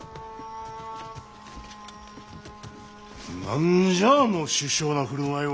何じゃあの殊勝な振る舞いは。